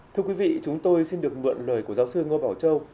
thưa quý vị chúng tôi xin được mượn lời của giáo sư ngô bảo châu